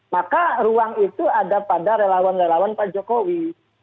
maka ruang itu ada pada relawan relawan pak jokowi